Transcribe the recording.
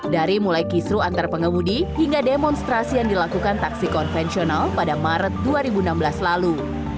dari mulai kisru antar pengemudi hingga demonstrasi yang dilakukan taksi konvensional pada maret dua ribu enam belas lalu